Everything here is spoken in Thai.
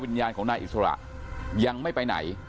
วิญญาณของนายอิสระยังไม่ไปไหน